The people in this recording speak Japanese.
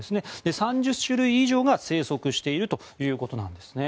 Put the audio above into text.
３０種類以上が生息しているということです。